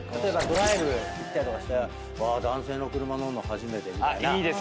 ドライブ行ったりとかして男性の車乗るの初めてみたいな。